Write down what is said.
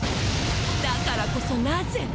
だからこそ何故！